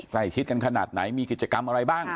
ใกล้ชิดกันขนาดไหนมีกิจกรรมอะไรบ้าง